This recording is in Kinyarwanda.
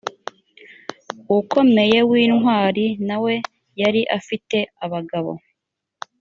ukomeye w intwari na we yari afite abagabo